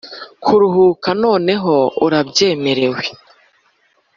kuruhuka noneho urabyemerewe